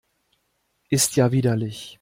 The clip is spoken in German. Ist ja widerlich!